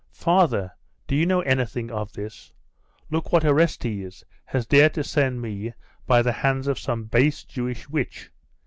'Father, do you know anything of this? Look what Orestes has dared to send me by the hands of some base Jewish witch!